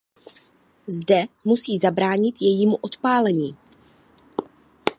Zde musí zabránit jejímu odpálení.